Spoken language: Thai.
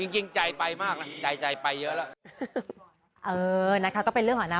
จริงใจไปมากแล้วใจไปเยอะแล้ว